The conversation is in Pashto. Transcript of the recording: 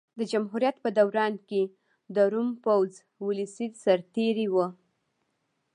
د جمهوریت په دوران کې د روم پوځ ولسي سرتېري وو